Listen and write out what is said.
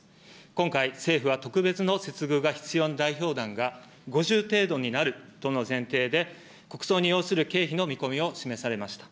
今回、政府は特別の接遇が必要な代表団が５０程度になるとの前提で、国葬に要する経費の見込みを示されました。